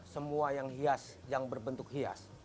semua yang hias yang berbentuk hias